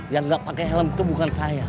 yang gak pake helm itu bukan saya